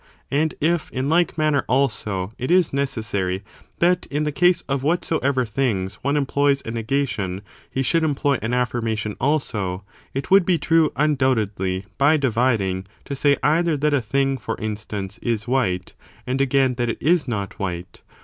And if, in like manner, also, it is necessary that in the case of whatsoever things one employs a negation he should employ an affirmaton also, it would be true, undoubtedly, by dividing, to say either that a thing, for instance, is white^ and again that it is not white, or that CH.